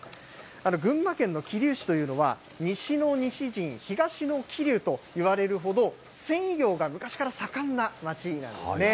群馬県の桐生市というのは、西の西陣、東の桐生といわれるほど、繊維業が昔から盛んな町なんですね。